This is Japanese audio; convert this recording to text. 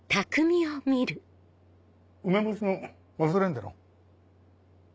梅干しも忘れんでの。